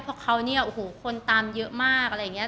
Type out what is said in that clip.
เพราะเขาเนี่ยโอ้โหคนตามเยอะมากอะไรอย่างนี้